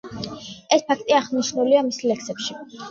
ეს ფაქტი აღნიშნულია მის ლექსებში.